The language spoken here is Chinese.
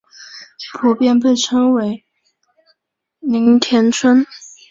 普遍被称为町村派。